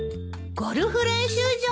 ゴルフ練習場？